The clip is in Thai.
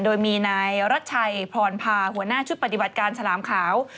โดยมีนายรัชชัยพรพาหัวหน้าชุดปฏิบัติการฉลามขาว